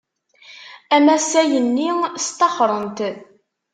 Amasay-nni sṭaxren-t.